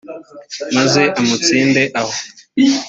maze amutsinde aho.